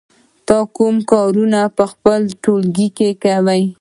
ته کوم کارونه په خپل ټولګي کې کوې؟